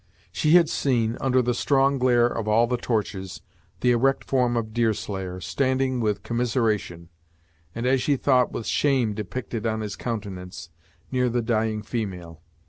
She had seen, under the strong glare of all the torches, the erect form of Deerslayer, standing with commiseration, and as she thought, with shame depicted on his countenance, near the dying female.